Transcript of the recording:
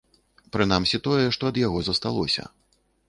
Прынамсі, тое, што ад яго засталося.